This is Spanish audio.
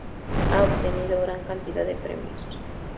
Ha obtenido gran cantidad de premios.